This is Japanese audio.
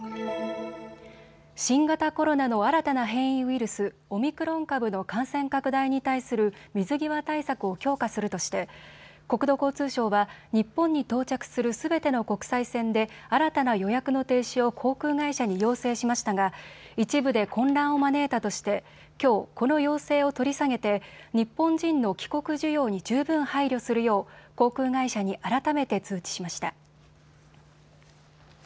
新型コロナの新たな変異ウイルス、オミクロン株の感染拡大に対する水際対策を強化するとして国土交通省は日本に到着するすべての国際線で新たな予約の停止を航空会社に要請しましたが一部で混乱を招いたとしてきょう、この要請を取り下げて日本人の帰国需要に十分配慮するよう航空会社に改めて通知しました。